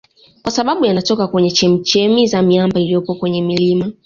Kwa sababu yanatoka kwenye chemichemi za miamba iliyopo kwenye milima